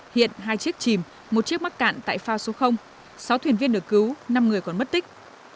hiện hai chiếc chìm một chiếc mắc cạn tại phao số sáu thuyền viên được cứu năm người còn mất tích